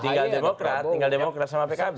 tinggal demokrat tinggal demokrat sama pkb